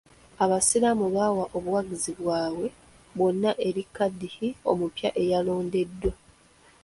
Abasiraamu bawa obuwagizi bwabwe bwonna eri kadhi omupya eyalondebwa.